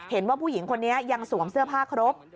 เห็นว่าผู้หญิงคนนี้ยังสวมเสื้อผ้าครบ